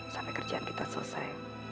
sampai kerjaan kita selesai